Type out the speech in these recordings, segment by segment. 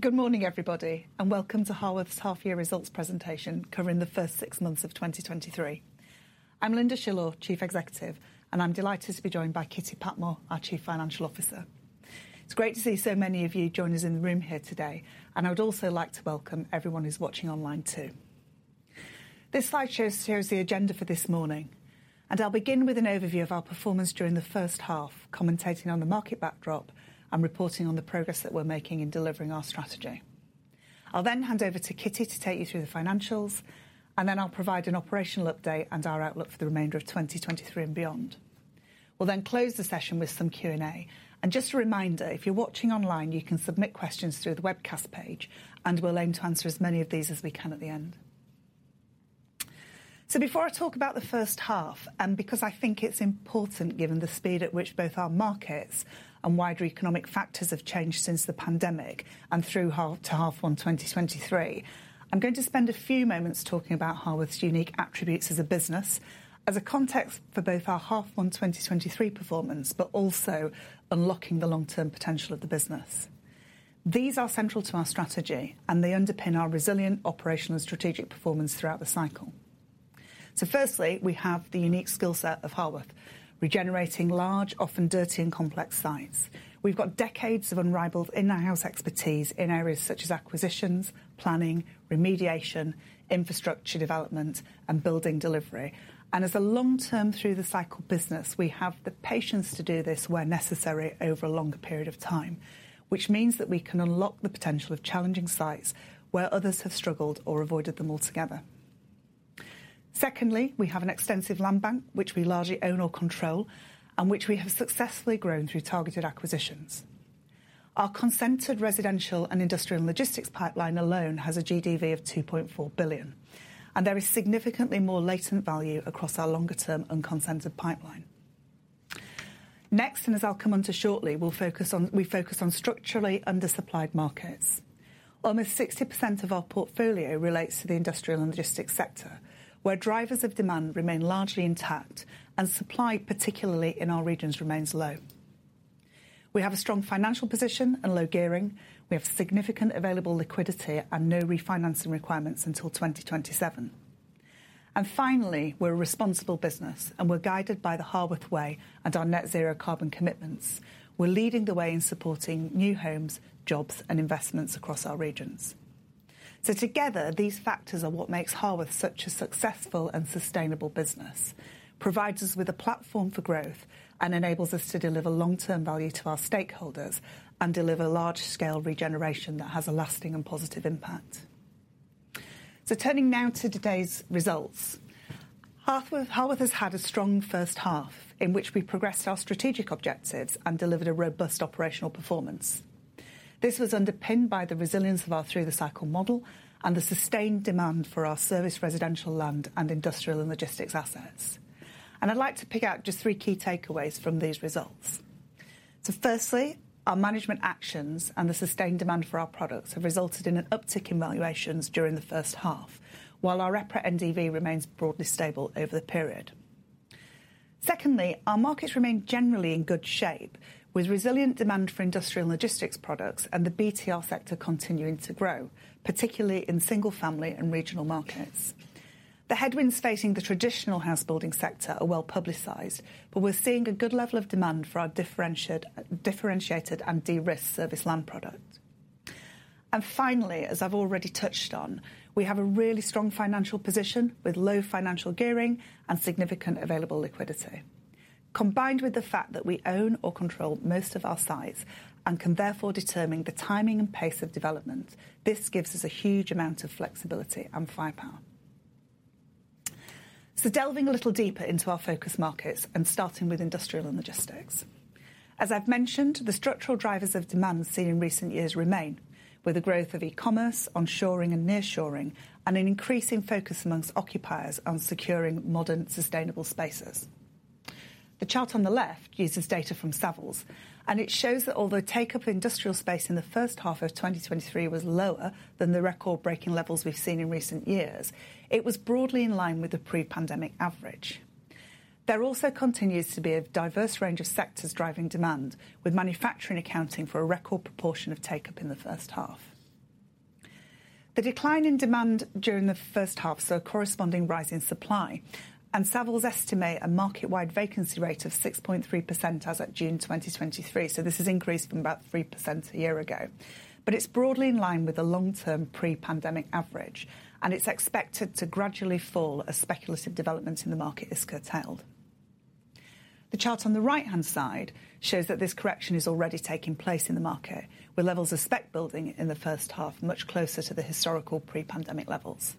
Good morning, everybody, and welcome to Harworth's half year results presentation, covering the first 6 months of 2023. I'm Lynda Shillaw, Chief Executive, and I'm delighted to be joined by Kitty Patmore, our Chief Financial Officer. It's great to see so many of you join us in the room here today, and I would also like to welcome everyone who's watching online, too. This slide shows here is the agenda for this morning, and I'll begin with an overview of our performance during the H1, commentating on the market backdrop and reporting on the progress that we're making in delivering our strategy. I'll then hand over to Kitty to take you through the financials, and then I'll provide an operational update and our outlook for the remainder of 2023 and beyond. We'll then close the session with some Q&A. Just a reminder, if you're watching online, you can submit questions through the webcast page, and we'll aim to answer as many of these as we can at the end. So before I talk about the H1, and because I think it's important, given the speed at which both our markets and wider economic factors have changed since the pandemic and through half to H1 2023, I'm going to spend a few moments talking about Harworth's unique attributes as a business, as a context for both our H1 2023 performance, but also unlocking the long-term potential of the business. These are central to our strategy, and they underpin our resilient operational and strategic performance throughout the cycle. So firstly, we have the unique skill set of Harworth, regenerating large, often dirty and complex sites. We've got decades of unrivalled in-house expertise in areas such as acquisitions, planning, remediation, infrastructure development, and building delivery. As a long term through-the-cycle business, we have the patience to do this where necessary over a longer period of time, which means that we can unlock the potential of challenging sites where others have struggled or avoided them altogether. Secondly, we have an extensive land bank, which we largely own or control, and which we have successfully grown through targeted acquisitions. Our consented residential and industrial and logistics pipeline alone has a GDV of 2.4 billion, and there is significantly more latent value across our longer term unconsented pipeline. Next, as I'll come onto shortly, we focus on structurally undersupplied markets. Almost 60% of our portfolio relates to the industrial and logistics sector, where drivers of demand remain largely intact and supply, particularly in our regions, remains low. We have a strong financial position and low gearing. We have significant available liquidity and no refinancing requirements until 2027. And finally, we're a responsible business, and we're guided by the Harworth Way and our Net Zero Carbon commitments. We're leading the way in supporting new homes, jobs, and investments across our regions. So together, these factors are what makes Harworth such a successful and sustainable business, provides us with a platform for growth, and enables us to deliver long-term value to our stakeholders and deliver large-scale regeneration that has a lasting and positive impact. So turning now to today's results. Harworth has had a strong H1 in which we progressed our strategic objectives and delivered a robust operational performance. This was underpinned by the resilience of our through-the-cycle model and the sustained demand for our serviced, residential, land, and industrial and logistics assets. I'd like to pick out just 3 key takeaways from these results. Firstly, our management actions and the sustained demand for our products have resulted in an uptick in valuations during the H1, while our EPRA NDV remains broadly stable over the period. Secondly, our markets remain generally in good shape, with resilient demand for industrial and logistics products and the BTR sector continuing to grow, particularly in single-family and regional markets. The headwinds facing the traditional house building sector are well publicized, but we're seeing a good level of demand for our differentiated and de-risked serviced land product. Finally, as I've already touched on, we have a really strong financial position with low financial gearing and significant available liquidity. Combined with the fact that we own or control most of our sites and can therefore determine the timing and pace of development, this gives us a huge amount of flexibility and firepower. Delving a little deeper into our focus markets and starting with industrial and logistics. As I've mentioned, the structural drivers of demand seen in recent years remain, with the growth of e-commerce, onshoring and nearshoring, and an increasing focus among occupiers on securing modern, sustainable spaces. The chart on the left uses data from Savills, and it shows that although take-up of industrial space in the H1 of 2023 was lower than the record-breaking levels we've seen in recent years, it was broadly in line with the pre-pandemic average. There also continues to be a diverse range of sectors driving demand, with manufacturing accounting for a record proportion of take-up in the H1. The decline in demand during the H1 saw a corresponding rise in supply, and Savills estimate a market-wide vacancy rate of 6.3% as at June 2023. So this has increased from about 3% a year ago, but it's broadly in line with the long-term pre-pandemic average, and it's expected to gradually fall as speculative development in the market is curtailed. The chart on the right-hand side shows that this correction is already taking place in the market, with levels of spec building in the H1 much closer to the historical pre-pandemic levels.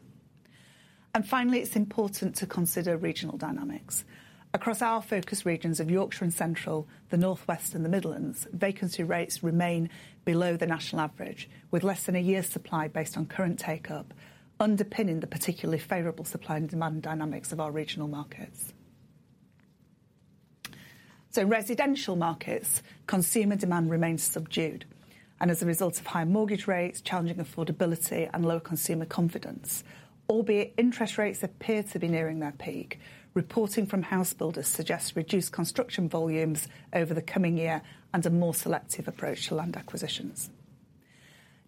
Finally, it's important to consider regional dynamics. Across our focus regions of Yorkshire and Central, the North West and the Midlands, vacancy rates remain below the national average, with less than a year's supply based on current takeup, underpinning the particularly favorable supply and demand dynamics of our regional markets. In residential markets, consumer demand remains subdued, and as a result of higher mortgage rates, challenging affordability and lower consumer confidence, albeit interest rates appear to be nearing their peak. Reporting from housebuilders suggests reduced construction volumes over the coming year and a more selective approach to land acquisitions....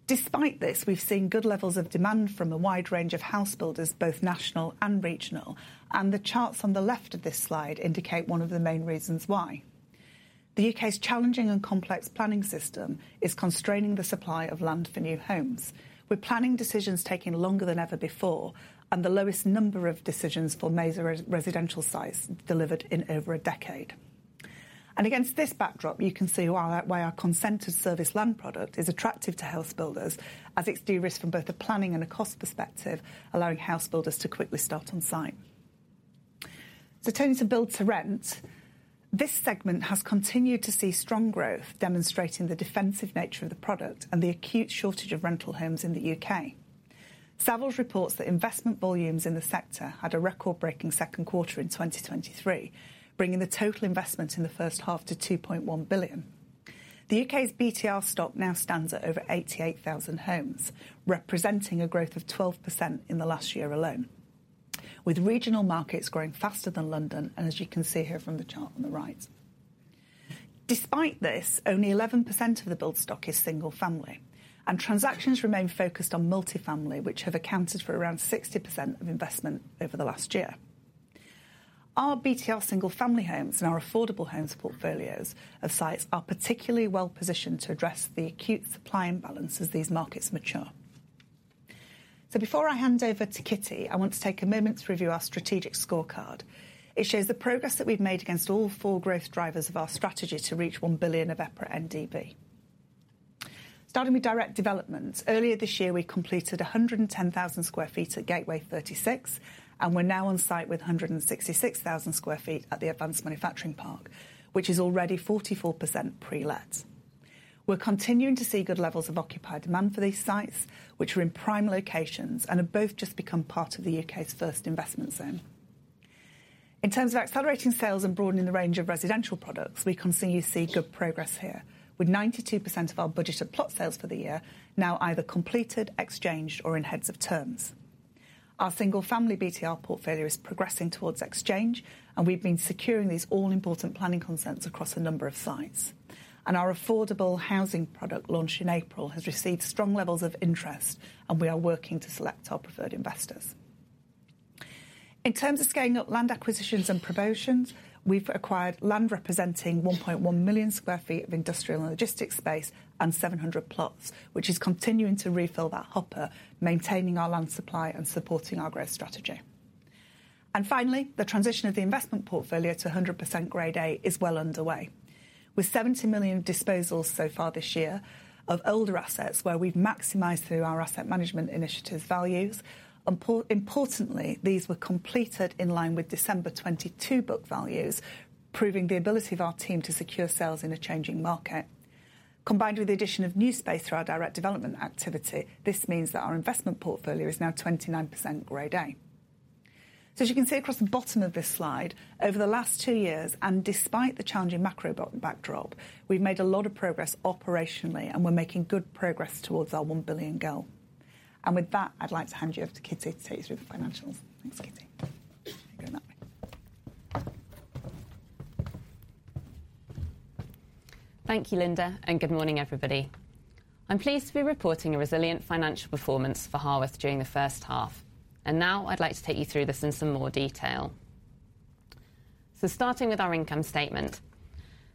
Despite this, we've seen good levels of demand from a wide range of housebuilders, both national and regional, and the charts on the left of this slide indicate one of the main reasons why. The UK's challenging and complex planning system is constraining the supply of land for new homes, with planning decisions taking longer than ever before, and the lowest number of decisions for major residential sites delivered in over a decade. Against this backdrop, you can see why our, why our consented serviced land product is attractive to housebuilders, as it's de-risked from both a planning and a cost perspective, allowing housebuilders to quickly start on site. Turning to Build to Rent, this segment has continued to see strong growth, demonstrating the defensive nature of the product and the acute shortage of rental homes in the UK. Savills reports that investment volumes in the sector had a record-breaking Q2 in 2023, bringing the total investment in the H1 to 2.1 billion. The UK's BTR stock now stands at over 88,000 homes, representing a growth of 12% in the last year alone, with regional markets growing faster than London, and as you can see here from the chart on the right. Despite this, only 11% of the build stock is single-family, and transactions remain focused on multifamily, which have accounted for around 60% of investment over the last year. Our BTR single-family homes and our affordable homes portfolios of sites are particularly well positioned to address the acute supply imbalance as these markets mature. So before I hand over to Kitty, I want to take a moment to review our strategic scorecard. It shows the progress that we've made against all 4 growth drivers of our strategy to reach 1 billion of EPRA NDV. Starting with direct developments, earlier this year, we completed 110,000 sq ft at Gateway 36, and we're now on site with 166,000 sq ft at the Advanced Manufacturing Park, which is already 44% pre-let. We're continuing to see good levels of occupied demand for these sites, which are in prime locations and have both just become part of the UK's first investment zone. In terms of accelerating sales and broadening the range of residential products, we continue to see good progress here, with 92% of our budget of plot sales for the year now either completed, exchanged, or in heads of terms. Our single family BTR portfolio is progressing towards exchange, and we've been securing these all-important planning consents across a number of sites. Our affordable housing product, launched in April, has received strong levels of interest, and we are working to select our preferred investors. In terms of scaling up land acquisitions and promotions, we've acquired land representing 1.1 million sq ft of industrial and logistics space and 700 plots, which is continuing to refill that hopper, maintaining our land supply and supporting our growth strategy. And finally, the transition of the investment portfolio to 100% Grade A is well underway, with 70 million disposals so far this year of older assets, where we've maximized through our asset management initiatives values. Importantly, these were completed in line with December 2022 book values, proving the ability of our team to secure sales in a changing market. Combined with the addition of new space through our direct development activity, this means that our investment portfolio is now 29% Grade A. So as you can see across the bottom of this slide, over the last 2 years, and despite the challenging macro backdrop, we've made a lot of progress operationally, and we're making good progress towards our 1 billion goal. And with that, I'd like to hand you over to Kitty to take you through the financials. Thanks, Kitty. You're going that way. Thank you, Lynda, and good morning, everybody. I'm pleased to be reporting a resilient financial performance for Harworth during the H1, and now I'd like to take you through this in some more detail. Starting with our income statement,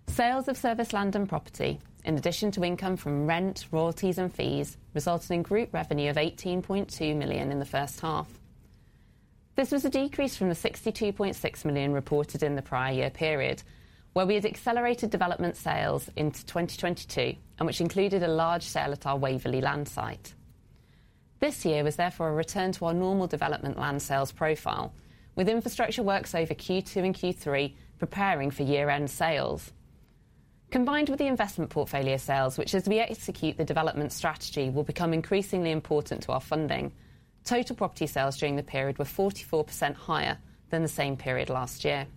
sales of serviced land and property, in addition to income from rent, royalties, and fees, resulted in group revenue of 18.2 million in the H1. This was a decrease from the 62.6 million reported in the prior year period, where we had accelerated development sales into 2022, and which included a large sale at our Waverley land site. This year was therefore a return to our normal development land sales profile, with infrastructure works over Q2 and Q3, preparing for year-end sales. Combined with the investment portfolio sales, which as we execute the development strategy, will become increasingly important to our funding, total property sales during the period were 44% higher than the same period last year.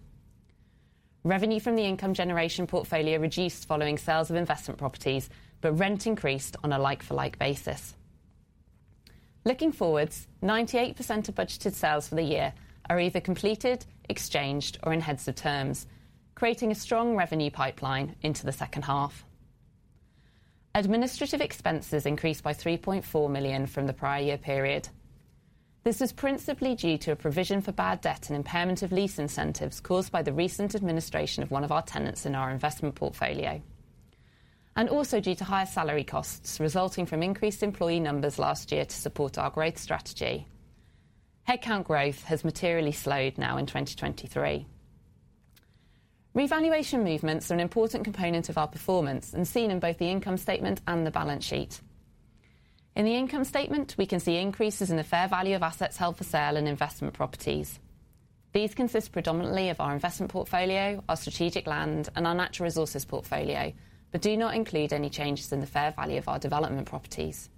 Revenue from the income generation portfolio reduced following sales of investment properties, but rent increased on a like-for-like basis. Looking forward, 98% of budgeted sales for the year are either completed, exchanged, or in heads of terms, creating a strong revenue pipeline into the H2. Administrative expenses increased by 3.4 million from the prior year period. This was principally due to a provision for bad debt and impairment of lease incentives caused by the recent administration of one of our tenants in our investment portfolio, and also due to higher salary costs resulting from increased employee numbers last year to support our growth strategy. Headcount growth has materially slowed now in 2023. Revaluation movements are an important component of our performance and seen in both the income statement and the balance sheet. In the income statement, we can see increases in the fair value of assets held for sale and investment properties. These consist predominantly of our Investment Portfolio, our Strategic Land, and our natural resources portfolio, but do not include any changes in the fair value of our development properties.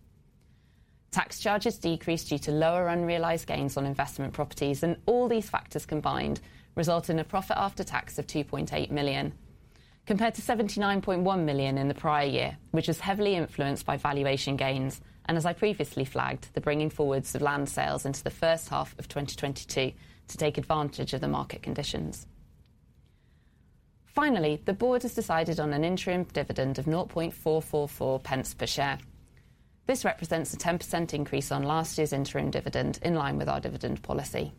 Tax charges decreased due to lower unrealized gains on investment properties, and all these factors combined result in a profit after tax of 2.8 million, compared to 79.1 million in the prior year, which was heavily influenced by valuation gains, and as I previously flagged, the bringing forwards of land sales into the H1 of 2022 to take advantage of the market conditions.... Finally, the board has decided on an interim dividend of 0.00444 per share. This represents a 10% increase on last year's interim dividend, in line with our dividend policy.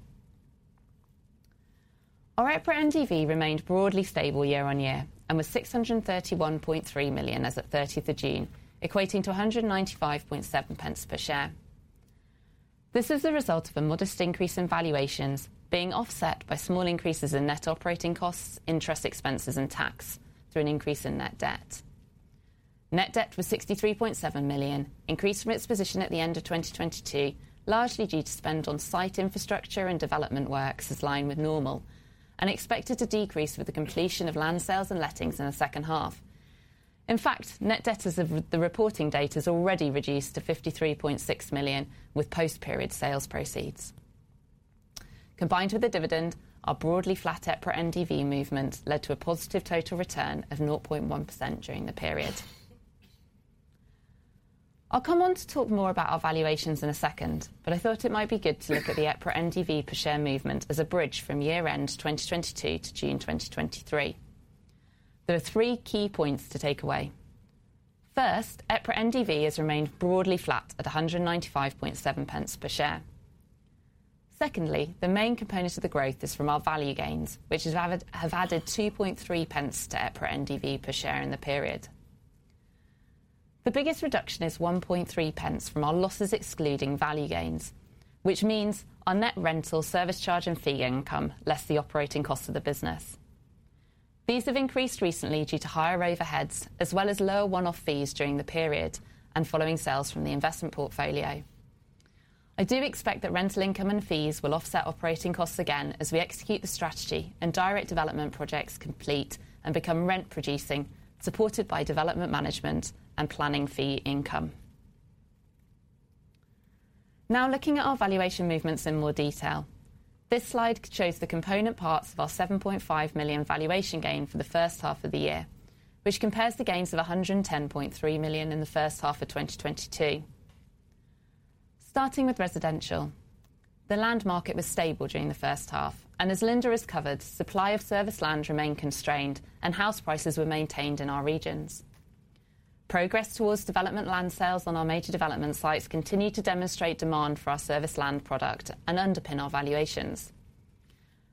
Our EPRA NDV remained broadly stable year-on-year, and was 631.3 million as at thirtieth of June, equating to 1.957 per share. This is the result of a modest increase in valuations being offset by small increases in net operating costs, interest expenses, and tax, through an increase in net debt. Net debt was 63.7 million, increased from its position at the end of 2022, largely due to spend on site infrastructure and development works, is in line with normal, and expected to decrease with the completion of land sales and lettings in the H2. In fact, net debt as of the reporting date, has already reduced to 53.6 million, with post-period sales proceeds. Combined with the dividend, our broadly flat EPRA NDV movement led to a positive total return of 0.1% during the period. I'll come on to talk more about our valuations in a second, but I thought it might be good to look at the EPRA NDV per share movement as a bridge from year-end 2022 to June 2023. There are 3 key points to take away. First, EPRA NDV has remained broadly flat at 195.7 pence per share. Secondly, the main component of the growth is from our value gains, which has added, have added 2.3 pence to EPRA NDV per share in the period. The biggest reduction is 0.013 from our losses excluding value gains, which means our net rental service charge and fee income, less the operating cost of the business. These have increased recently due to higher overheads, as well as lower one-off fees during the period, and following sales from the investment portfolio. I do expect that rental income and fees will offset operating costs again, as we execute the strategy, and direct development projects complete and become rent-producing, supported by development management and planning fee income. Now, looking at our valuation movements in more detail. This slide shows the component parts of our 7.5 million valuation gain for the H1 of the year, which compares the gains of 110.3 million in the H1 of 2022. Starting with residential, the land market was stable during the H1, and as Lynda has covered, supply of serviced land remained constrained, and house prices were maintained in our regions. Progress towards development land sales on our major development sites continued to demonstrate demand for our serviced land product, and underpin our valuations.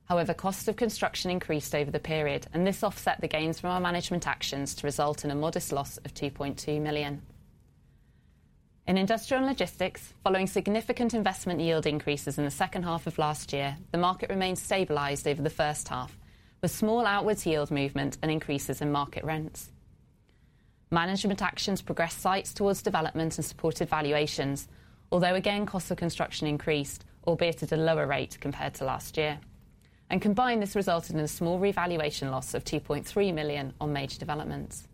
However, costs of construction increased over the period, and this offset the gains from our management actions to result in a modest loss of 2.2 million. In industrial and logistics, following significant investment yield increases in the H2 of last year, the market remained stabilized over the H1, with small outwards yield movement and increases in market rents. Management actions progressed sites towards development and supported valuations, although, again, costs of construction increased, albeit at a lower rate compared to last year. Combined, this resulted in a small revaluation loss of 2.3 million on major developments.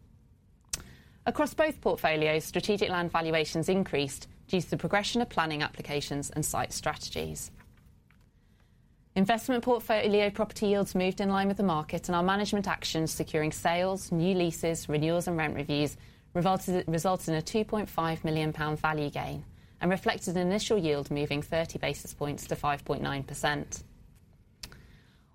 Across both portfolios, strategic land valuations increased due to the progression of planning applications and site strategies. Investment portfolio property yields moved in line with the market, and our management actions, securing sales, new leases, renewals, and rent reviews, resulted in a 2.5 million pound value gain, and reflected an initial yield moving 30 basis points to 5.9%.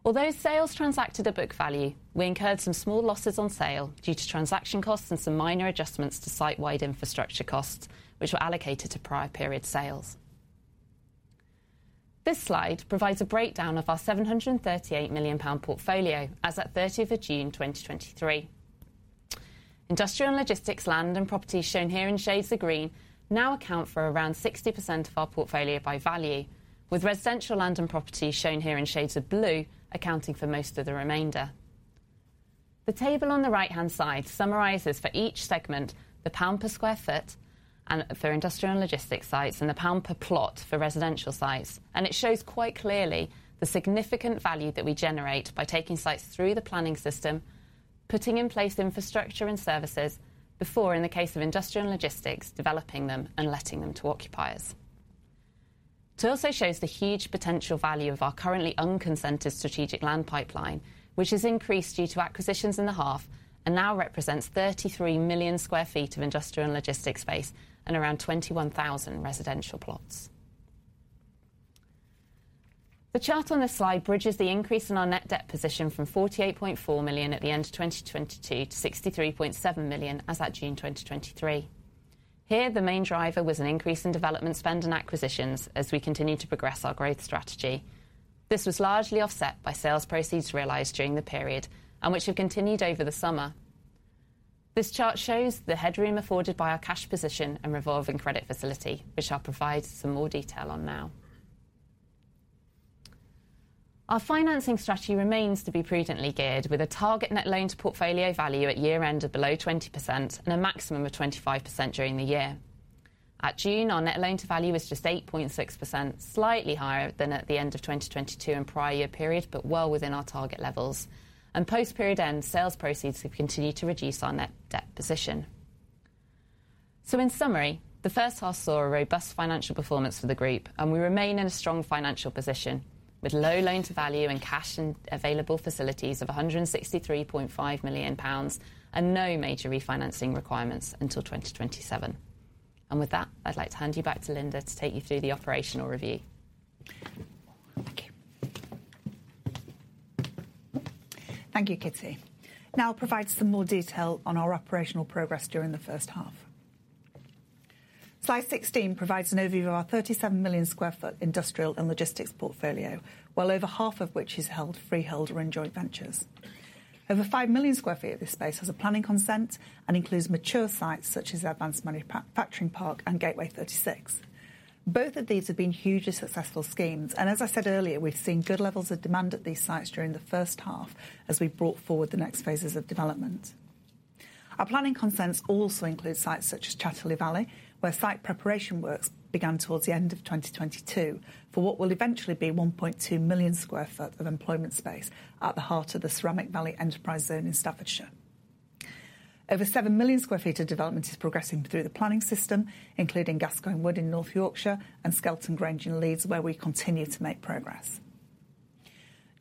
Although sales transacted at book value, we incurred some small losses on sale due to transaction costs and some minor adjustments to site-wide infrastructure costs, which were allocated to prior period sales. This slide provides a breakdown of our 738 million pound portfolio as at thirtieth of June, 2023. Industrial and logistics land and properties, shown here in shades of green, now account for around 60% of our portfolio by value, with residential land and property, shown here in shades of blue, accounting for most of the remainder. The table on the right-hand side summarizes, for each segment, the GBP per sq ft, and, for industrial and logistics sites, and the GBP per plot for residential sites. And it shows quite clearly the significant value that we generate by taking sites through the planning system, putting in place infrastructure and services, before, in the case of industrial and logistics, developing them and letting them to occupiers. It also shows the huge potential value of our currently unconsented strategic land pipeline, which has increased due to acquisitions in the half, and now represents 33 million sq ft of industrial and logistics space, and around 21,000 residential plots. The chart on this slide bridges the increase in our net debt position from 48.4 million at the end of 2022, to 63.7 million, as at June 2023. Here, the main driver was an increase in development spend and acquisitions, as we continued to progress our growth strategy. This was largely offset by sales proceeds realized during the period, and which have continued over the summer. This chart shows the headroom afforded by our cash position and revolving credit facility, which I'll provide some more detail on now. Our financing strategy remains to be prudently geared, with a target net loan to portfolio value at year end of below 20%, and a maximum of 25% during the year. At June, our net loan to value was just 8.6%, slightly higher than at the end of 2022 and prior year period, but well within our target levels. Post-period end, sales proceeds have continued to reduce our net debt position. In summary, the H1 saw a robust financial performance for the group, and we remain in a strong financial position, with low loan to value and cash and available facilities of 163.5 million pounds, and no major refinancing requirements until 2027. With that, I'd like to hand you back to Lynda to take you through the operational review. Thank you, Kitty. Now I'll provide some more detail on our operational progress during the H1. Slide 16 provides an overview of our 37 million sq ft industrial and logistics portfolio, well over half of which is held freehold or in joint ventures. Over 5 million sq ft of this space has a planning consent, and includes mature sites, such as Advanced Manufacturing Park and Gateway 36. Both of these have been hugely successful schemes, and as I said earlier, we've seen good levels of demand at these sites during the H1 as we've brought forward the next phases of development. Our planning consents also include sites such as Chatterley Valley, where site preparation works began towards the end of 2022, for what will eventually be 1.2 million sq ft of employment space at the heart of the Ceramic Valley Enterprise Zone in Staffordshire. Over 7 million sq ft of development is progressing through the planning system, including Gascoigne Wood in North Yorkshire and Skelton Grange in Leeds, where we continue to make progress.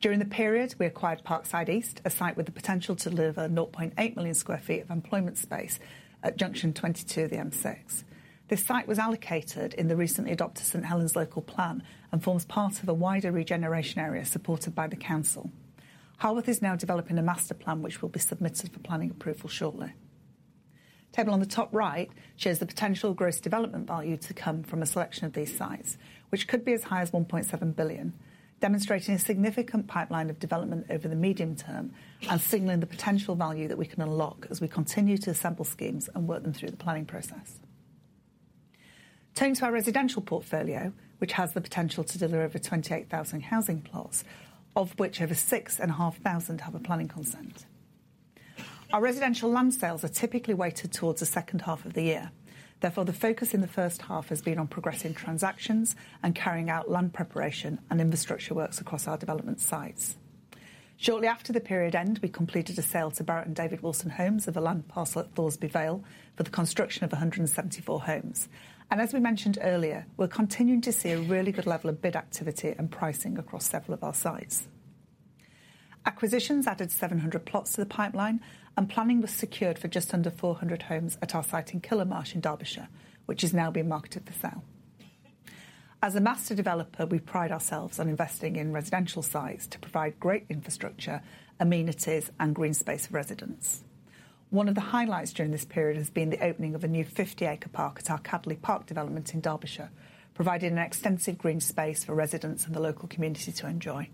During the period, we acquired Parkside East, a site with the potential to deliver 0.8 million sq ft of employment space at junction 22 of the M6. This site was allocated in the recently adopted St. Helens Local Plan and forms part of a wider regeneration area supported by the council. Harworth is now developing a master plan, which will be submitted for planning approval shortly. Table on the top right shows the potential Gross Development Value to come from a selection of these sites, which could be as high as 1.7 billion, demonstrating a significant pipeline of development over the medium term and signaling the potential value that we can unlock as we continue to assemble schemes and work them through the planning process. Turning to our residential portfolio, which has the potential to deliver over 28,000 housing plots, of which over 6,500 have a planning consent. Our residential land sales are typically weighted towards the H2 of the year. Therefore, the focus in the H1 has been on progressing transactions and carrying out land preparation and infrastructure works across our development sites. Shortly after the period end, we completed a sale to Barratt and David Wilson Homes of a land parcel at Thoresby Vale for the construction of 174 homes. As we mentioned earlier, we're continuing to see a really good level of bid activity and pricing across several of our sites. Acquisitions added 700 plots to the pipeline, and planning was secured for just under 400 homes at our site in Killamarsh, in Derbyshire, which is now being marketed for sale. As a master developer, we pride ourselves on investing in residential sites to provide great infrastructure, amenities, and green space for residents. One of the highlights during this period has been the opening of a new 50-acre park at our Cadley Park development in Derbyshire, providing an extensive green space for residents and the local community to enjoy.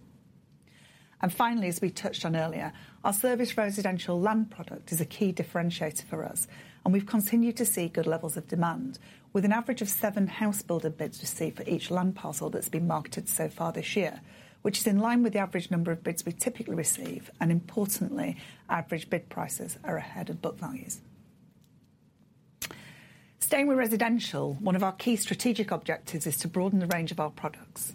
Finally, as we touched on earlier, our service residential land product is a key differentiator for us, and we've continued to see good levels of demand, with an average of 7 housebuilder bids received for each land parcel that's been marketed so far this year, which is in line with the average number of bids we typically receive, and importantly, average bid prices are ahead of book values. Staying with residential, one of our key strategic objectives is to broaden the range of our products.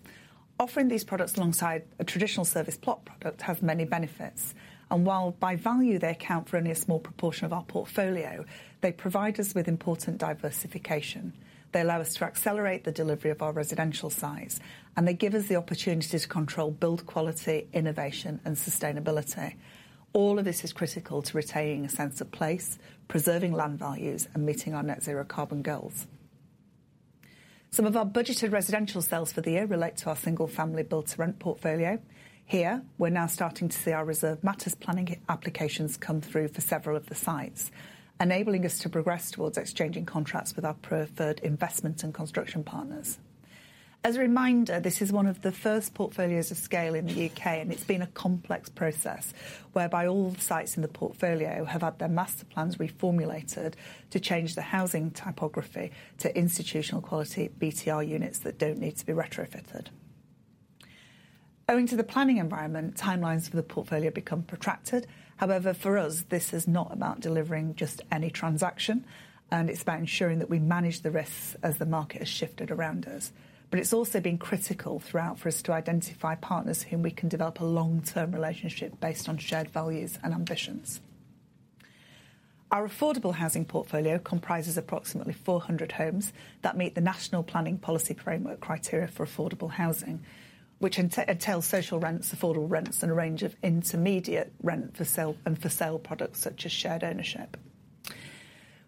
Offering these products alongside a traditional service plot product have many benefits, and while by value, they account for only a small proportion of our portfolio, they provide us with important diversification. They allow us to accelerate the delivery of our residential sites, and they give us the opportunity to control, build quality, innovation, and sustainability. All of this is critical to retaining a sense of place, preserving land values, and meeting our Net Zero Carbon goals. Some of our budgeted residential sales for the year relate to our single-family Build to Rent portfolio. Here, we're now starting to see our Reserved Matters planning applications come through for several of the sites, enabling us to progress towards exchanging contracts with our preferred investment and construction partners. As a reminder, this is one of the first portfolios of scale in the UK, and it's been a complex process whereby all sites in the portfolio have had their master plans reformulated to change the housing typology to institutional quality BTR units that don't need to be retrofitted. Owing to the planning environment, timelines for the portfolio become protracted. However, for us, this is not about delivering just any transaction, and it's about ensuring that we manage the risks as the market has shifted around us. But it's also been critical throughout for us to identify partners whom we can develop a long-term relationship based on shared values and ambitions. Our affordable housing portfolio comprises approximately 400 homes that meet the National Planning Policy Framework criteria for affordable housing, which entails social rents, affordable rents, and a range of intermediate rent for sale, and for sale products such as shared ownership.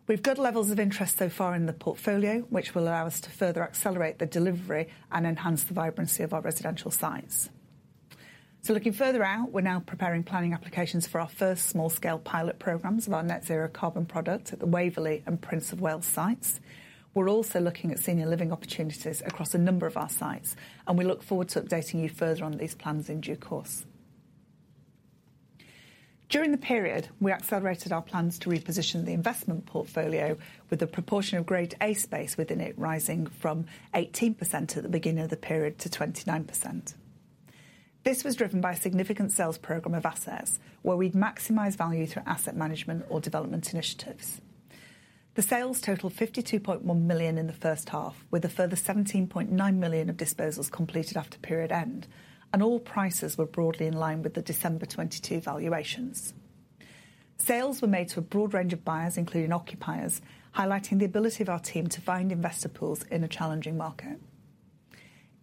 We've good levels of interest so far in the portfolio, which will allow us to further accelerate the delivery and enhance the vibrancy of our residential sites. So looking further out, we're now preparing planning applications for our first small-scale pilot programmes of our Net Zero Carbon products at the Waverley and Prince of Wales sites. We're also looking at senior living opportunities across a number of our sites, and we look forward to updating you further on these plans in due course. During the period, we accelerated our plans to reposition the investment portfolio with a proportion of Grade A space within it, rising from 18% at the beginning of the period to 29%. This was driven by a significant sales programme of assets, where we'd maximize value through asset management or development initiatives. The sales totaled 52.1 million in the H1, with a further 17.9 million of disposals completed after period end, and all prices were broadly in line with the December 2022 valuations. Sales were made to a broad range of buyers, including occupiers, highlighting the ability of our team to find investor pools in a challenging market.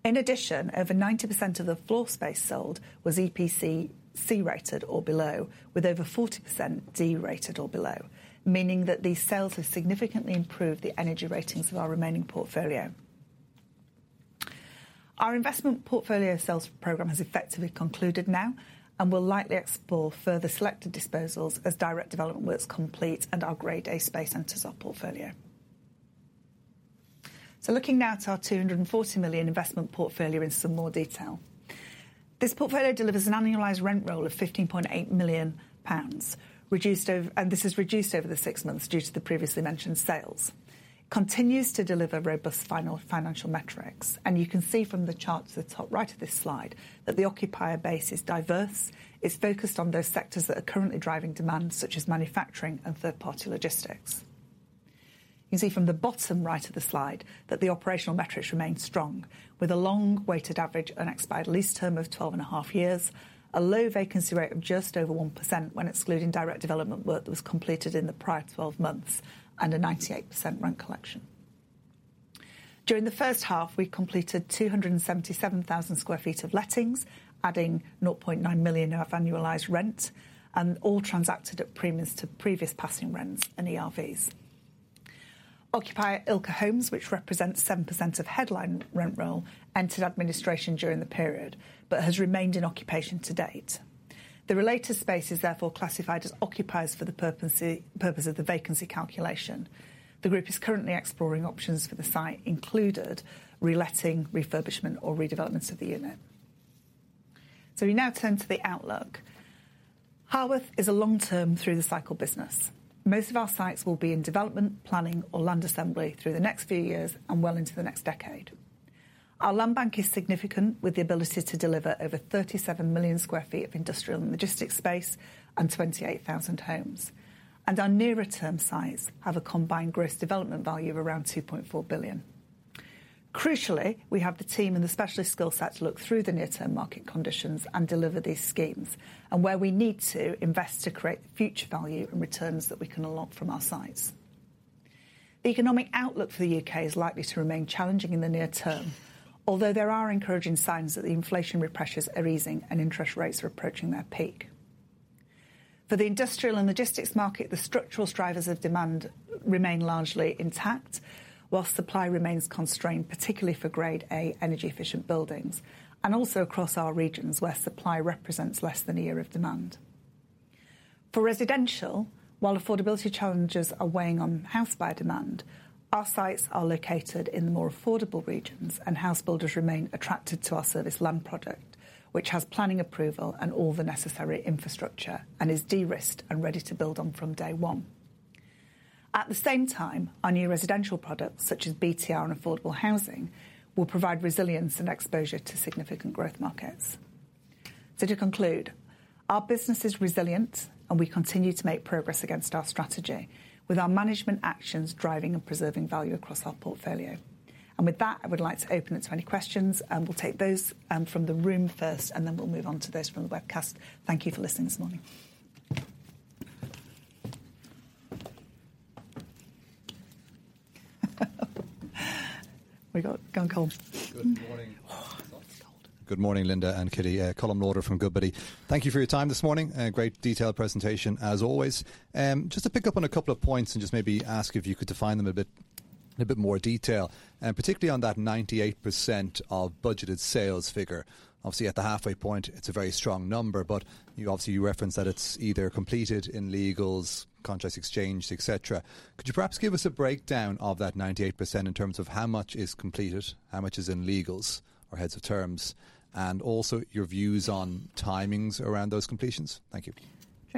In addition, over 90% of the floor space sold was EPC C-rated or below, with over 40% D-rated or below, meaning that these sales have significantly improved the energy ratings of our remaining portfolio. Our investment portfolio sales programme has effectively concluded now, and we'll likely explore further selected disposals as direct development work is complete and our Grade A space enters our portfolio. So looking now at our 240 million investment portfolio in some more detail. This portfolio delivers an annualized rent roll of GBP 15.8 million, reduced over-- and this is reduced over the 6 months due to the previously mentioned sales. Continues to deliver robust final financial metrics, and you can see from the chart at the top right of this slide, that the occupier base is diverse. It's focused on those sectors that are currently driving demand, such as manufacturing and third-party logistics. You can see from the bottom right of the slide, that the operational metrics remain strong, with a long weighted average unexpired lease term of 12.5 years, a low vacancy rate of just over 1%, when excluding direct development work that was completed in the prior 12 months, and a 98% rent collection. During the H1, we completed 277,000 sq ft of lettings, adding 0.9 million of annualized rent, and all transacted at premiums to previous passing rents and ERVs. Occupier Ilke Homes, which represents 7% of headline rent roll, entered administration during the period, but has remained in occupation to date. The related space is therefore classified as occupied for the purpose of the vacancy calculation. The group is currently exploring options for the site, including reletting, refurbishment, or redevelopment of the unit. So we now turn to the outlook. Harworth is a long-term, through-the-cycle business. Most of our sites will be in development, planning, or land assembly through the next few years and well into the next decade. Our land bank is significant, with the ability to deliver over 37 million sq ft of industrial and logistics space and 28,000 homes. And our nearer-term sites have a combined Gross Development Value of around 2.4 billion. Crucially, we have the team and the specialist skill set to look through the near-term market conditions and deliver these schemes, and where we need to, invest to create future value and returns that we can unlock from our sites. The economic outlook for the UK is likely to remain challenging in the near term, although there are encouraging signs that the inflationary pressures are easing and interest rates are approaching their peak. For the industrial and logistics market, the structural drivers of demand remain largely intact, while supply remains constrained, particularly for Grade A energy-efficient buildings, and also across our regions, where supply represents less than a year of demand. For residential, while affordability challenges are weighing on house buyer demand, our sites are located in the more affordable regions, and housebuilders remain attracted to our serviced land product, which has planning approval and all the necessary infrastructure, and is de-risked and ready to build on from day 1. At the same time, our new residential products, such as BTR and affordable housing, will provide resilience and exposure to significant growth markets. To conclude, our business is resilient, and we continue to make progress against our strategy, with our management actions driving and preserving value across our portfolio. With that, I would like to open it to any questions, and we'll take those from the room first, and then we'll move on to those from the webcast. Thank you for listening this morning. We got gone cold. Good morning. Oh, it's cold. Good morning, Lynda and Kitty. Colm Lauder from Goodbody. Thank you for your time this morning. Great detailed presentation, as always. Just to pick up on a couple of points and just maybe ask if you could define them in a bit, in a bit more detail, and particularly on that 98% of budgeted sales figure. Obviously, at the halfway point, it's a very strong number, but you obviously, you referenced that it's either completed in legals, contracts exchanged, et cetera. Could you perhaps give us a breakdown of that 98% in terms of how much is completed, how much is in legals or heads of terms, and also your views on timings around those completions? Thank you. Do you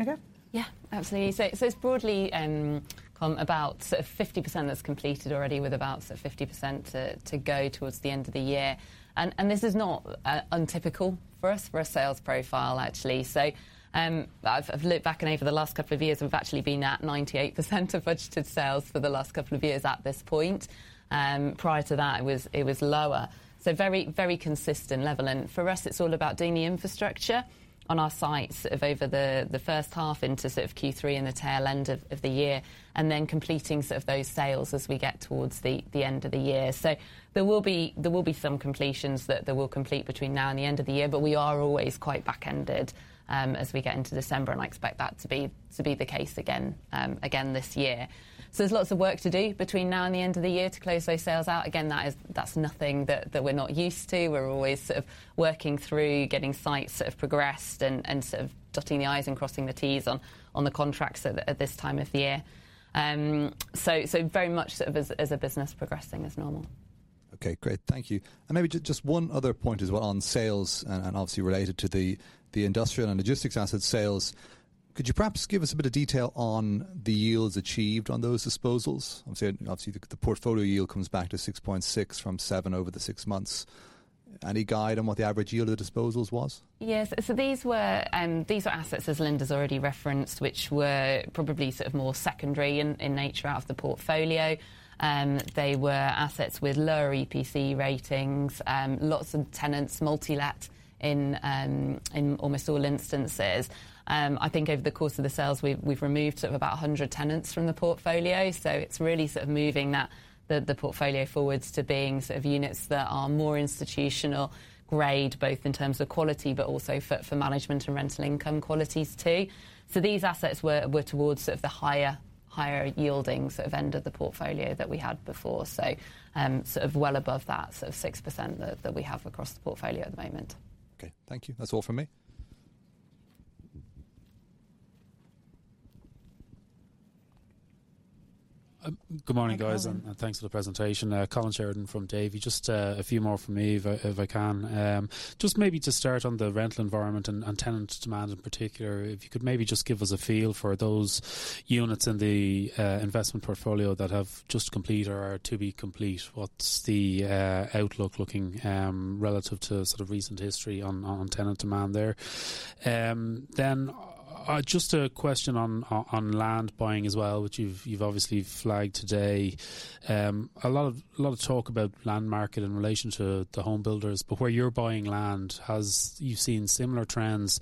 want to go? Absolutely. It's broadly, Colm, about sort of 50% that's completed already, with about sort of 50% to go towards the end of the year. This is not untypical for us, for a sales profile, actually. I've looked back and over the last couple of years, we've actually been at 98% of budgeted sales for the last couple of years at this point. Prior to that, it was lower. Very, very consistent level, and for us, it's all about doing the infrastructure on our sites over the H1 into sort of Q3 and the tail end of the year, and then completing sort of those sales as we get towards the end of the year. There will be some completions that will complete between now and the end of the year, but we are always quite back-ended as we get into December, and I expect that to be the case again this year. So there's lots of work to do between now and the end of the year to close those sales out. Again, that's nothing that we're not used to. We're always sort of working through getting sites sort of progressed and sort of dotting the I's and crossing the T's on the contracts at this time of the year. So very much sort of as a business progressing as normal. Okay, great. Thank you. And maybe just one other point as well on sales, and obviously related to the industrial and logistics asset sales, could you perhaps give us a bit of detail on the yields achieved on those disposals? Obviously, the portfolio yield comes back to 6.6 from 7 over the 6 months. Any guide on what the average yield of disposals was? Yes. These were assets, as Lynda's already referenced, which were probably sort of more secondary in nature, out of the portfolio. They were assets with lower EPC ratings, lots of tenants, multi-let in almost all instances. I think over the course of the sales, we've removed sort of about 100 tenants from the portfolio, so it's really sort of moving the portfolio forward to being sort of units that are more institutional-grade, both in terms of quality, but also for management and rental income qualities, too. So these assets were towards sort of the higher yieldings end of the portfolio that we had before. So, sort of well above that sort of 6% that we have across the portfolio at the moment. Okay. Thank you. That's all from me. Good morning, guys. Good morning. Thanks for the presentation. Colin Sheridan from Davy. Just a few more from me, if I can. Just maybe to start on the rental environment and tenant demand, in particular, if you could maybe just give us a feel for those units in the investment portfolio that have just complete or are to be complete, what's the outlook looking relative to sort of recent history on tenant demand there? Then, just a question on land buying as well, which you've obviously flagged today. A lot of talk about land market in relation to the home builders, but where you're buying land, have you seen similar trends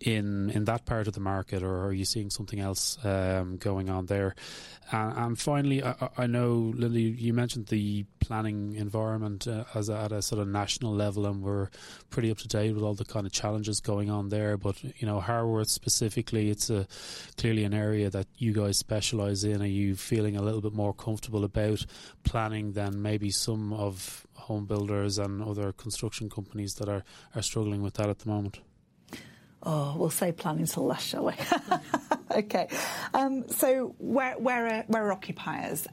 in that part of the market, or are you seeing something else going on there? Finally, I know, Lynda, you mentioned the planning environment as at a sort of national level, and we're pretty up-to-date with all the kind of challenges going on there. But, you know, Harworth, specifically, it's clearly an area that you guys specialize in. Are you feeling a little bit more comfortable about planning than maybe some of home builders and other construction companies that are struggling with that at the moment? We'll save planning till last, shall we? Okay. So where are occupiers?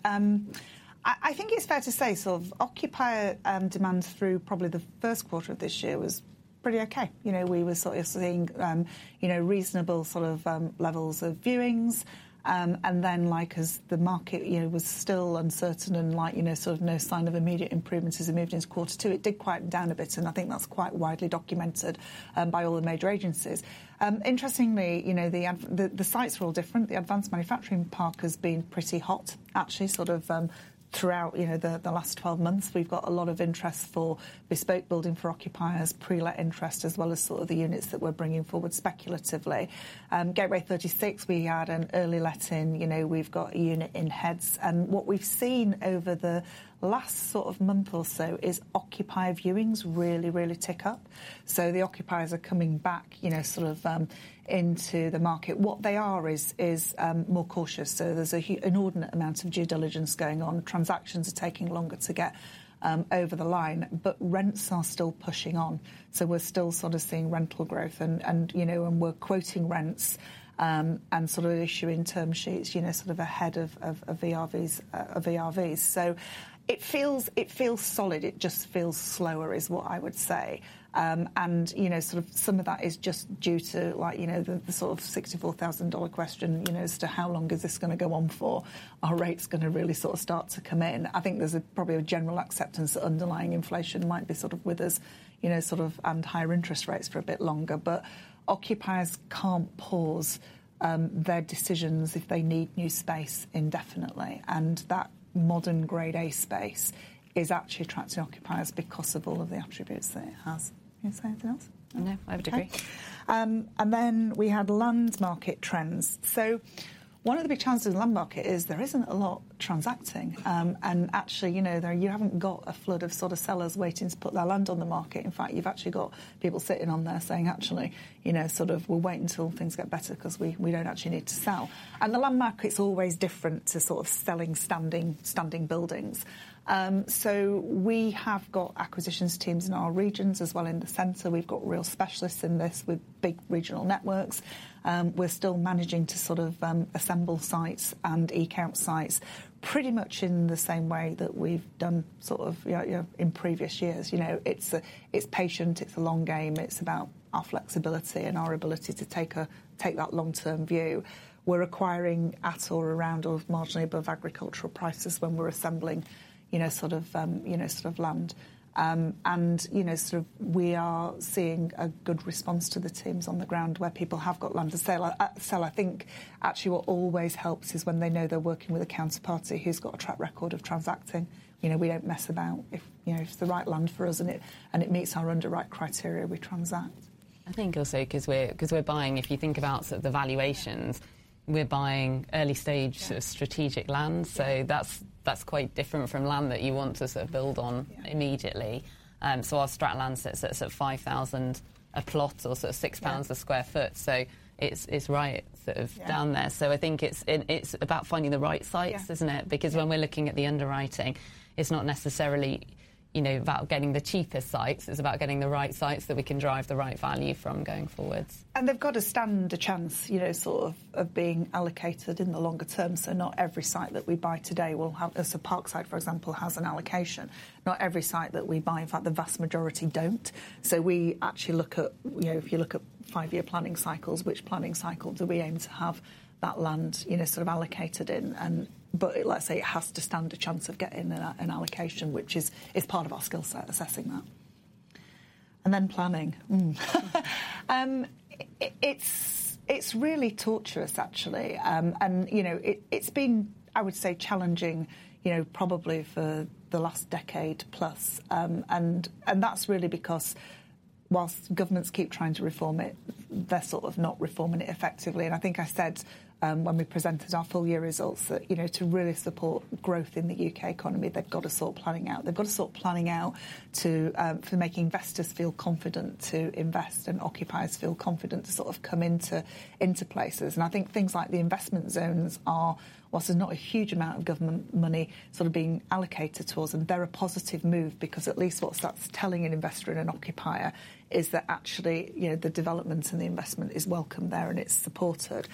I think it's fair to say, sort of occupier demands through probably the Q1 of this year was pretty okay. You know, we were sort of seeing, you know, reasonable sort of levels of viewings. And then, like, as the market, you know, was still uncertain and, like, you know, sort of no sign of immediate improvements as we moved into Q2, it did quieten down a bit, and I think that's quite widely documented by all the major agencies. Interestingly, you know, the, the sites were all different. The Advanced Manufacturing Park has been pretty hot, actually, sort of throughout, you know, the last 12 months. We've got a lot of interest for bespoke building for occupiers, pre-let interest, as well as sort of the units that we're bringing forward speculatively. Gateway 36, we had an early let-in. You know, we've got a unit in heads. And what we've seen over the last sort of month or so is occupier viewings really, really tick up. So the occupiers are coming back, you know, sort of into the market. What they are is more cautious, so there's inordinate amount of due diligence going on. Transactions are taking longer to get over the line, but rents are still pushing on. So we're still sort of seeing rental growth and, and, you know, and we're quoting rents and sort of issuing term sheets, you know, sort of ahead of ERVs. So it feels solid. It just feels slower, is what I would say. And, you know, sort of some of that is just due to, like, you know, the sort of $64,000 question, you know, as to how long is this gonna go on for? Are rates gonna really sort of start to come in? I think there's probably a general acceptance that underlying inflation might be sort of with us, you know, sort of, and higher interest rates for a bit longer. But occupiers can't pause their decisions if they need new space indefinitely, and that modern Grade A space is actually attracting occupiers because of all of the attributes that it has. You wanna say anything else? No, I would agree. Okay. Then we had land market trends. So one of the big challenges in land market is there isn't a lot transacting. And actually, you know, you haven't got a flood of sort of sellers waiting to put their land on the market. In fact, you've actually got people sitting on there saying, "Actually, you know, sort of we'll wait until things get better because we, we don't actually need to sell." And the land market, it's always different to sort of selling, standing buildings. So we have got acquisitions teams in our regions as well in the center. We've got real specialists in this with big regional networks. We're still managing to sort of assemble sites and ecount sites pretty much in the same way that we've done sort of, you know, in previous years. You know, it's a, it's patient, it's a long game. It's about our flexibility and our ability to take a, take that long-term view. We're acquiring at or around or marginally above agricultural prices when we're assembling, you know, sort of, you know, sort of land. And, you know, sort of we are seeing a good response to the teams on the ground where people have got land to sell. So I think actually what always helps is when they know they're working with a counterparty who's got a track record of transacting. You know, we don't mess about. If, you know, it's the right land for us, and it, and it meets our underwrite criteria, we transact. I think also, 'cause we're buying, if you think about sort of the valuations, we're buying early stage sort of strategic land. Yeah. That's quite different from land that you want to sort of build on- Yeah immediately. So our Strategic Land sits at sort of 5,000 a plot or sort of- Yeah 6 pounds a sq ft. So it's, it's right sort of down there. Yeah. I think it's about finding the right sites- Yeah isn't it? Yeah. Because when we're looking at the underwriting, it's not necessarily, you know, about getting the cheapest sites. It's about getting the right sites that we can drive the right value from going forward. They've got to stand a chance, you know, sort of, of being allocated in the longer term. So not every site that we buy today will have... So Parkside, for example, has an allocation. Not every site that we buy, in fact, the vast majority don't. So we actually look at, you know, if you look at 5-year planning cycles, which planning cycle do we aim to have that land, you know, sort of allocated in? But let's say, it has to stand a chance of getting an allocation, which is, it's part of our skill set, assessing that. And then planning. It's really torturous, actually. And, you know, it's been, I would say, challenging, you know, probably for the last decade plus. And that's really because- while governments keep trying to reform it, they're sort of not reforming it effectively. And I think I said, when we presented our full year results that, you know, to really support growth in the UK economy, they've got to sort planning out. They've got to sort planning out to, for making investors feel confident to invest and occupiers feel confident to sort of come into, into places. And I think things like the investment zones are, while there's not a huge amount of government money sort of being allocated towards them, they're a positive move because at least what starts telling an investor and an occupier is that actually, you know, the development and the investment is welcome there, and it's supported.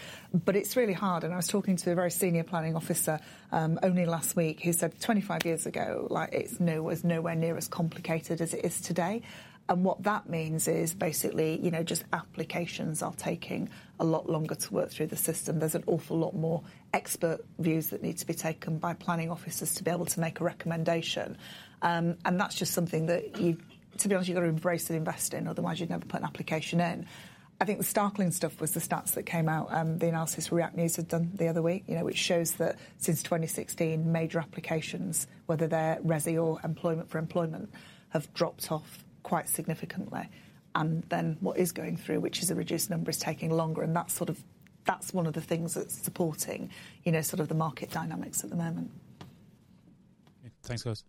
But it's really hard, and I was talking to a very senior planning officer, only last week. He said 25 years ago, like, it was nowhere near as complicated as it is today. And what that means is basically, you know, just applications are taking a lot longer to work through the system. There's an awful lot more expert views that need to be taken by planning officers to be able to make a recommendation. And that's just something that you, to be honest, you've got to embrace and invest in, otherwise you'd never put an application in. I think the startling stuff was the stats that came out, the analysis React News had done the other week, you know, which shows that since 2016, major applications, whether they're resi or employment, for employment, have dropped off quite significantly. Then what is going through, which is a reduced number, is taking longer, and that's sort of one of the things that's supporting, you know, sort of the market dynamics at the moment. Thanks, guys.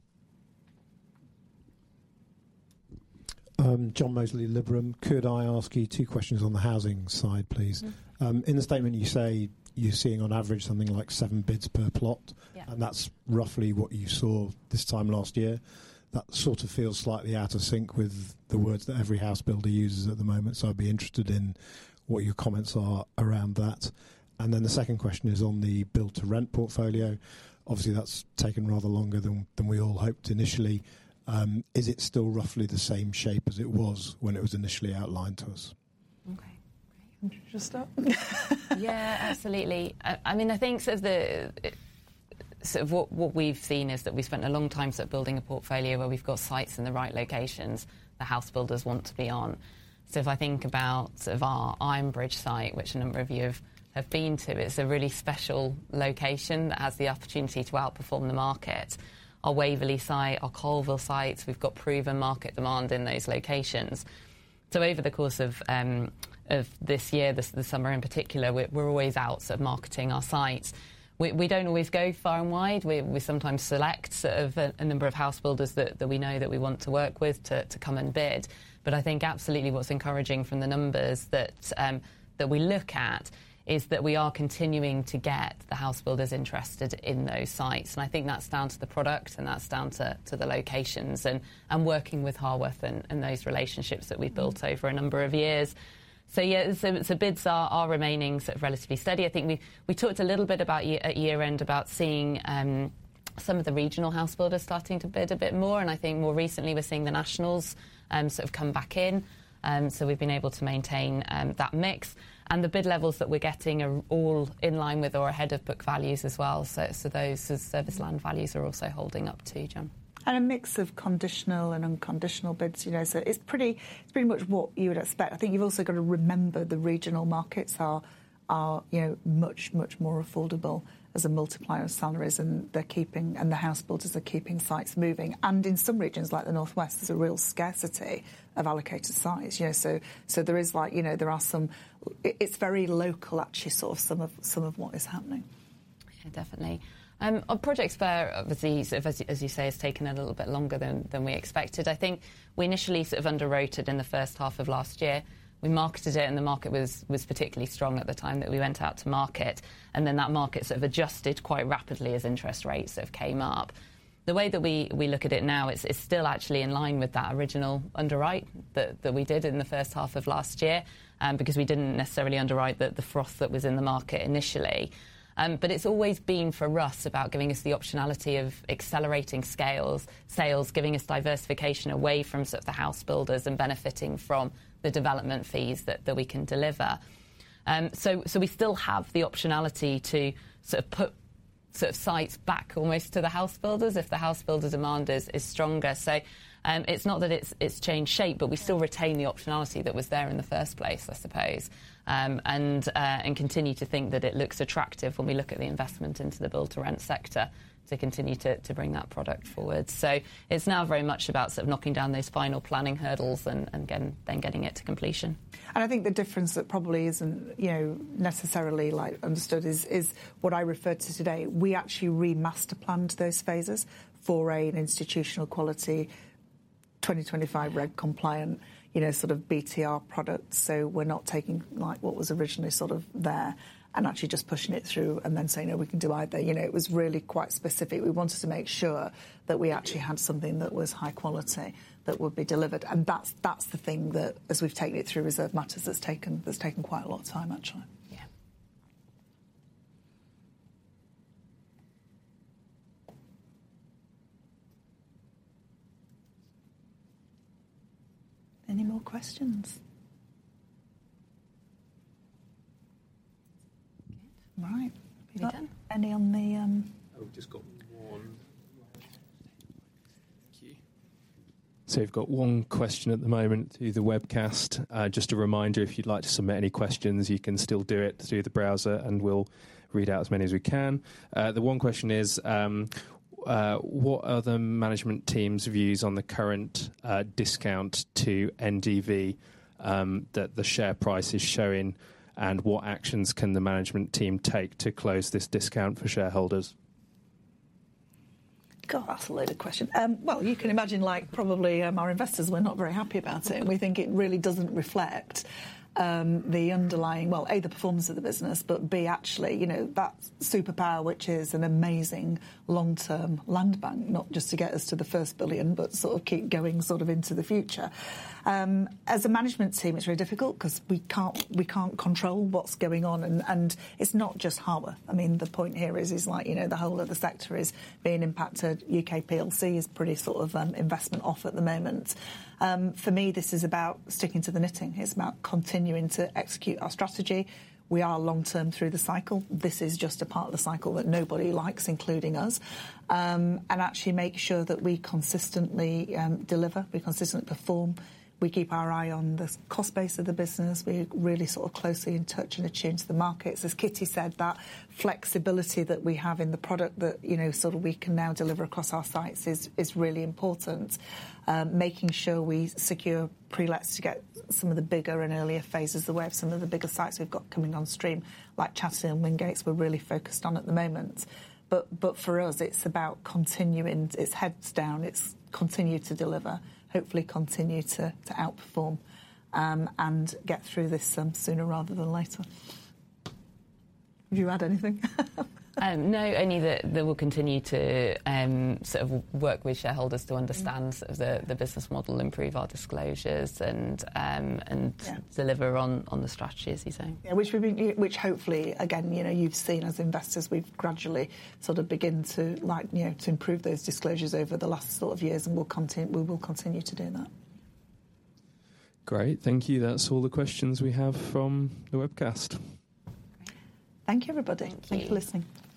John Mozley, Liberum. Could I ask you 2 questions on the housing side, please? Mm-hmm. In the statement you say you're seeing on average, something like 7 bids per plot. Yeah. That's roughly what you saw this time last year. That sort of feels slightly out of sync with the words that every housebuilder uses at the moment, so I'd be interested in what your comments are around that. The second question is on the Build to Rent portfolio. Obviously, that's taken rather longer than we all hoped initially. Is it still roughly the same shape as it was when it was initially outlined to us? Okay. Great. Do you want to just start? Absolutely. I mean, I think as the sort of what we've seen is that we've spent a long time sort of building a portfolio where we've got sites in the right locations the housebuilders want to be on. So if I think about sort of our Ironbridge site, which a number of you have been to, it's a really special location that has the opportunity to outperform the market. Our Waverley site, our Coalville sites, we've got proven market demand in those locations. So over the course of this year, this summer in particular, we're always out sort of marketing our sites. We don't always go far and wide. We sometimes select sort of a number of housebuilders that we know that we want to work with to come and bid. I think absolutely what's encouraging from the numbers that we look at is that we are continuing to get the housebuilders interested in those sites, and I think that's down to the product, and that's down to the locations and working with Harworth and those relationships that we've built over a number of years. So bids are remaining sort of relatively steady. I think we talked a little bit about year at year end about seeing some of the regional housebuilders starting to bid a bit more, and I think more recently we're seeing the nationals sort of come back in. So we've been able to maintain that mix. And the bid levels that we're getting are all in line with or ahead of book values as well. Those serviced land values are also holding up, too, John. A mix of conditional and unconditional bids, you know, so it's pretty, pretty much what you would expect. I think you've also got to remember, the regional markets are, you know, much, much more affordable as a multiplier of salaries, and the housebuilders are keeping sites moving. And in some regions, like the North West, there's a real scarcity of allocated sites, you know. So, so there is like, you know, there are some... It's very local, actually, sort of some of what is happening. Definitely. On projects where obviously, as you say, it's taken a little bit longer than we expected, I think we initially sort of underwrote it in the H1 of last year. We marketed it, and the market was particularly strong at the time that we went out to market, and then that market sort of adjusted quite rapidly as interest rates sort of came up. The way that we look at it now, it's still actually in line with that original underwrite that we did in the H1 of last year, because we didn't necessarily underwrite the froth that was in the market initially. It's always been for us about giving us the optionality of accelerating scales, sales, giving us diversification away from sort of the housebuilders and benefiting from the development fees that we can deliver. So, so we still have the optionality to sort of put sort of sites back almost to the housebuilders, if the housebuilder demand is stronger. So, it's not that it's, it's changed shape, but we still retain the optionality that was there in the 1st place, I suppose. And continue to think that it looks attractive when we look at the investment into the Build to Rent sector, to continue to bring that product forward. So it's now very much about sort of knocking down those final planning hurdles and then getting it to completion. I think the difference that probably isn't, you know, necessarily like understood is what I referred to today. We actually re-masterplanned those phases for an institutional quality, 2025 reg compliant, you know, sort of BTR product. So we're not taking like what was originally sort of there and actually just pushing it through and then saying, "No, we can do either." You know, it was really quite specific. We wanted to make sure that we actually had something that was high quality that would be delivered, and that's the thing that, as we've taken it through Reserved Matters, that's taken quite a lot of time, actually. Yeah. Any more questions? Right. We done. Any on the- We've just got 1. Thank you. So you've got 1 question at the moment through the webcast. Just a reminder, if you'd like to submit any questions, you can still do it through the browser, and we'll read out as many as we can. The 1 question is, what are the management team's views on the current discount to NDV that the share price is showing? And what actions can the management team take to close this discount for shareholders? God, that's a loaded question. Well, you can imagine, like, probably, our investors were not very happy about it, and we think it really doesn't reflect the underlying—well, A, the performance of the business, but B, actually, you know, that superpower, which is an amazing long-term land bank, not just to get us to the 1st billion, but sort of keep going sort of into the future. As a management team, it's very difficult because we can't control what's going on. And it's not just Harworth. I mean, the point here is like, you know, the whole of the sector is being impacted. UK plc is pretty sort of investment off at the moment. For me, this is about sticking to the knitting. It's about continuing to execute our strategy. We are long-term through the cycle. This is just a part of the cycle that nobody likes, including us, and actually make sure that we consistently deliver, we consistently perform, we keep our eye on the cost base of the business. We're really sort of closely in touch and attuned to the markets. As Kitty said, that flexibility that we have in the product that, you know, sort of we can now deliver across our sites is really important. Making sure we secure pre-lets to get some of the bigger and earlier phases, the way of some of the bigger sites we've got coming on stream, like Cottam and Wingates, we're really focused on at the moment. But, but for us, it's about continuing. It's heads down, it's continue to deliver, hopefully continue to outperform, and get through this sooner rather than later. Would you add anything? No, only that we'll continue to sort of work with shareholders to understand sort of the business model, improve our disclosures, and Yeah and deliver on the strategies you're saying. Yeah, which hopefully, again, you know, you've seen as investors, we've gradually sort of begin to like, you know, to improve those disclosures over the last sort of years, and we'll continue to do that. Great. Thank you. That's all the questions we have from the webcast. Great. Thank you, everybody. Thank you. Thanks for listening.